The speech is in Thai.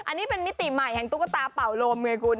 อันนี้เป็นมิติใหม่แห่งตุ๊กตาเป่าลมไงคุณ